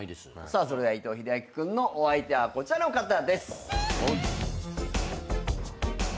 それでは伊藤英明君のお相手はこちらの方です。